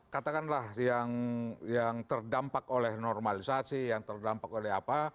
katakanlah yang terdampak oleh normalisasi yang terdampak oleh apa